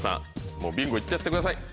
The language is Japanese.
もうビンゴ行っちゃってください。